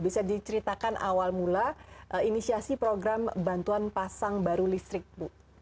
bisa diceritakan awal mula inisiasi program bantuan pasang baru listrik bu